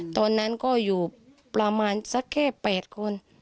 ตอนนั้นก็อยู่ประมาณสักแค่๘คน